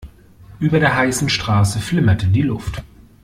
Über der heißen Straße flimmerte die Luft.